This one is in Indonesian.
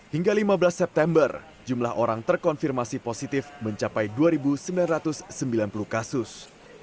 hingga lima belas september jumlah orang terkonfirmasi positif mencapai dua sembilan ratus sembilan puluh kasus